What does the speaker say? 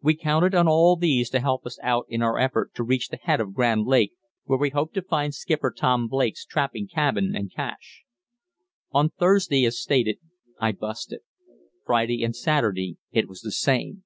We counted on all these to help us out in our effort to reach the head of Grand Lake where we hoped to find Skipper Tom Blake's trapping camp and cache. On Thursday, as stated, I busted. Friday and Saturday it was the same.